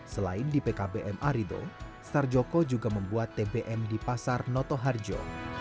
selain di pkbm arido star joko juga membuat tbm di pasar noto harjo